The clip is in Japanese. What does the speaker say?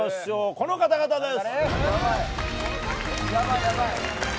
この方々です！